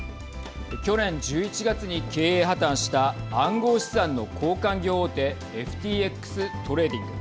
去年１１月に経営破綻した暗号資産の交換業大手ＦＴＸトレーディング。